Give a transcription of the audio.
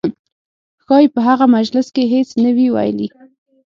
ښایي په هغه مجلس کې هېڅ نه وي ویلي.